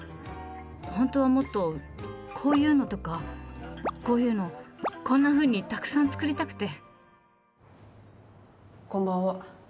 本当は、もっとこういうのとかこういうの、こんなふうにたくさん作りたくて！